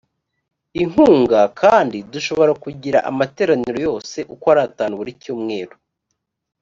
inkunga kandi dushobora kugira amateraniro yose uko ari atanu buri cyumweru